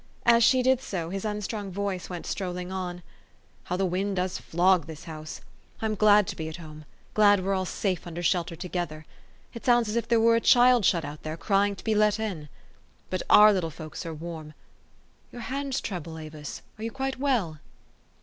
As she did so, his unstrung voice went strolling on, u How the wind does flog this house ! I'm glad to be at home ; glad we're all safe under shelter to gether. It sounds as if there were a child shut out there, crying to be let in. But our little folks are warm. Your hands tremble, Avis. Are you quite well?"